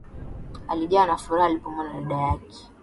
Alijawa na furaha alipomwona dada yake